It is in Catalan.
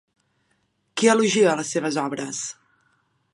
Qui elogia les seves obres?